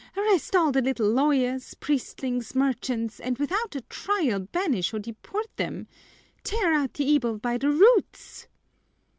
"Arrest all the little lawyers, priestlings, merchants, and without trial banish or deport them! Tear out the evil by the roots!"